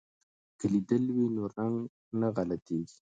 که لیدل وي نو رنګ نه غلطیږي.